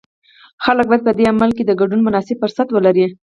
خلک باید په دې عمل کې د ګډون مناسب فرصت ولري.